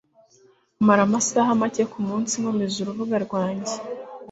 mara amasaha make kumunsi nkomeza urubuga rwanjye